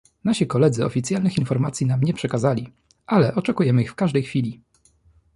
Nasi koledzy oficjalnych informacji nam nie przekazali, ale oczekujemy ich w każdej chwili